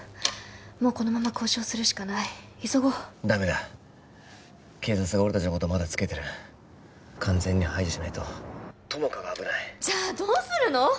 もうこのまま交渉するしかない急ごうダメだ警察が俺達のことまだつけてる完全に排除しないと友果が危ないじゃどうするの！？